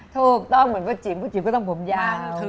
ถูกต้องเหมือนประจิมประจิมก็ต้องผมยาว